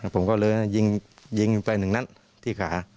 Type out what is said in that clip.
ผมก็เลยยิงไป๑นัดที่ขา